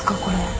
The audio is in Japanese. これ。